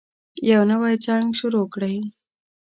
يو نـوی جـنګ شروع كړئ.